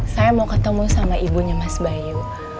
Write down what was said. saya mau ketemu sama ibunya mas bayu